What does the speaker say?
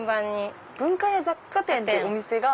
文化屋雑貨店ってお店が。